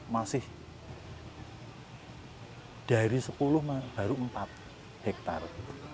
masih dari sepuluh baru empat hektare